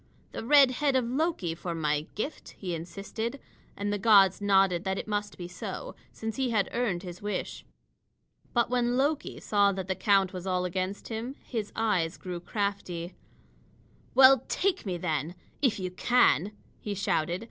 "The red head of Loki for my gift," he insisted, and the gods nodded that it must be so, since he had earned his wish. But when Loki saw that the count was all against him, his eyes grew crafty. "Well, take me, then if you can!" he shouted.